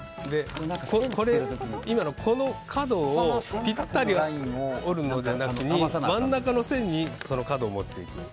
今の、この角をぴったり折るのでなしに真ん中の線にその角を持っていく。